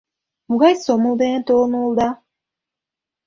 Могай сомыл дене толын улыда?